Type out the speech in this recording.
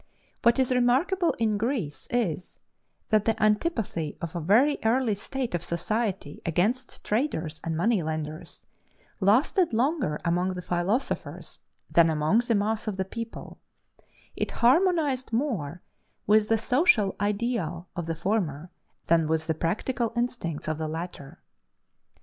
What is remarkable in Greece is, that the antipathy of a very early state of society against traders and money lenders lasted longer among the philosophers than among the mass of the people it harmonized more with the social idéal of the former, than with the practical instincts of the latter.